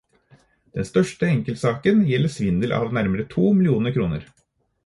Den største enkeltsaken gjelder svindel av nærmere to millioner kroner.